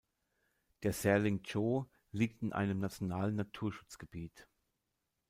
Der Serling Tsho liegt in einem nationalen Naturschutzgebiet.